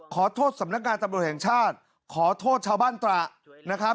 สำนักงานตำรวจแห่งชาติขอโทษชาวบ้านตระนะครับ